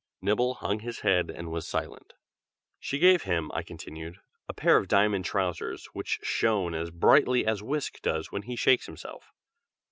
Nibble hung his head and was silent. "She gave him," I continued, "a pair of diamond trousers, which shone as brightly as Whisk does when he shakes himself.